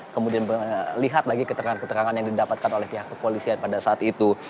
kemudian melihat lagi keterangan keterangan yang didapatkan oleh pihak kepolisian pada saat itu